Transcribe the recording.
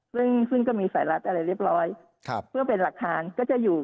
ซึ่งซึ่งก็มีสายรัดอะไรเรียบร้อยเพื่อเป็นหลักฐานก็จะอยู่